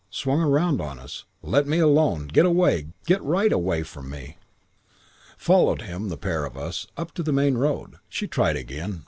Swung round on us. 'Let me alone. Get away. Get right away from me!' "Followed him, the pair of us, up to the main road. She tried again.